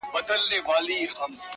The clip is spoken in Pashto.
څنگه دي وستايمه.